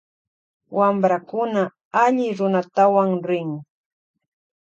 Wamprakuna alli runatawan rin.